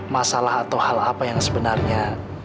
masalah atau hal apa yang sebenarnya